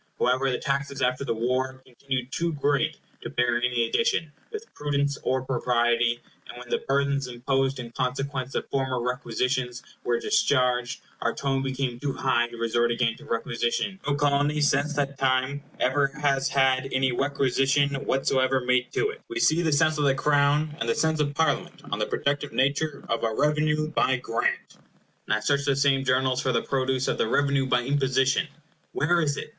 However, the taxes after the war continued too great to bear any addition, with prudence or propriety; and when the burthens imposed in consequence of former requisitions were discharged, our tone became too high to resort again to requisition. No Colony, since that time, ever has had any requisition whatsoever made to it. We see the sense of the Crown, and the sense of Parliament, on the productive nature of a REVENUE BY GRANT. Now search the same Journals for the produce of the REVENUE BY IMPOSITION. Where is it?